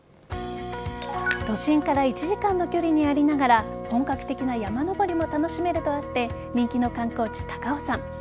都心から１時間の距離にありながら本格的な山登りも楽しめるとあって人気の観光地・高尾山。